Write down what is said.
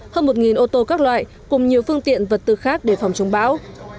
hơn một ô tô các loại cùng nhiều phương tiện vật tư khác để phòng chống bão